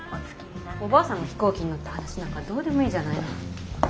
おばあさんが飛行機に乗った話なんかどうでもいいじゃないの。